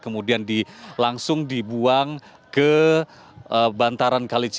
kemudian langsung dibuang ke bantaran kale ciliwung